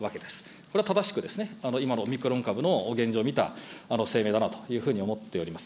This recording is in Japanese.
これは正しく、今のオミクロン株の現状を見た声明だなというふうに思っております。